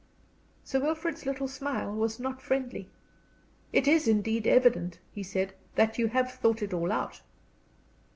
Sir Wilfrid's little smile was not friendly. "It is indeed evident," he said, "that you have thought it all out."